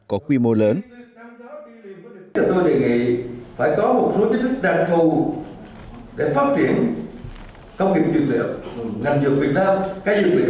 bổ truyền hội học kỳ đại phát triển dược liệu trong nước